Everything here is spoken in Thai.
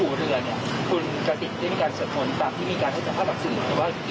คุณกระติกได้มีการสะพนตามที่มีการทักษะ